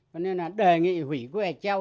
cho nên là đề nghị hủy quy hoạch treo